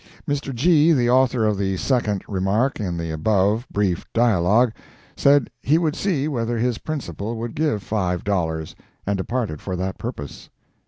Mr. G., the author of the second remark in the above brief dialogue, said he would see whether his principal would give five dollars, and departed for that purpose.